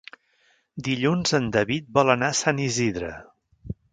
Dilluns en David vol anar a Sant Isidre.